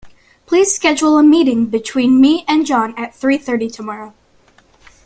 Please schedule a meeting between me and John at three thirty tomorrow.